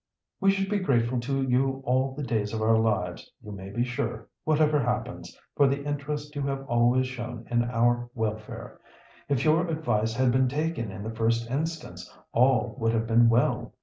"We should be grateful to you all the days of our lives, you may be sure, whatever happens, for the interest you have always shown in our welfare. If your advice had been taken in the first instance, all would have been well."